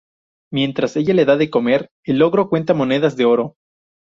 Mientras ella le da de comer, el Ogro cuenta monedas de oro.